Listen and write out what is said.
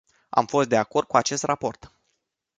Am fost de acord cu acest raport.